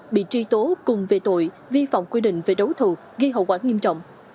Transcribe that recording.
bị truy tố cùng về tội vi phạm quy định về đấu thầu gây hậu quả nghiêm trọng